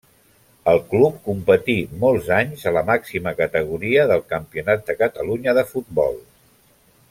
El club competí molts anys a la màxima categoria del Campionat de Catalunya de futbol.